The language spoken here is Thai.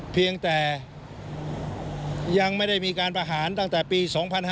เพียงแต่ยังไม่ได้มีการประหารตั้งแต่ปี๒๕๕๙